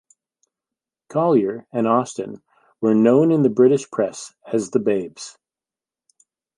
Colyer and Austin were known in the British press as The Babes.